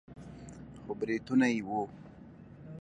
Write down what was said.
خو برېتونه يې وو.